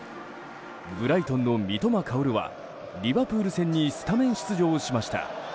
ブライトンの三笘薫はリバプール戦にスタメン出場しました。